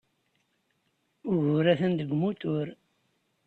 Ugur atan deg umutur.